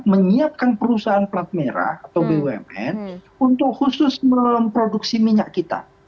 menyiapkan perusahaan plat merah atau bumn untuk khusus memproduksi minyak kita